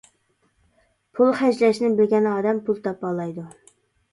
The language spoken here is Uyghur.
پۇل خەجلەشنى بىلگەن ئادەم پۇل تاپالايدۇ.